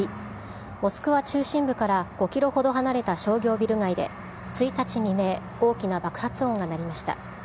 モスクワ中心部から５キロほど離れた商業ビル街で１日未明、大きな爆発音が鳴りました。